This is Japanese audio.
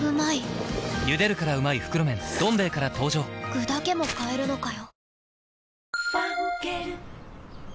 具だけも買えるのかよ女性）